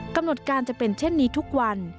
กำหนดการจะเป็นเช่นนี้ทุกวัน